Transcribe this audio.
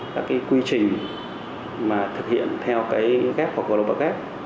là cái quy trình mà thực hiện theo cái vf hoặc global vf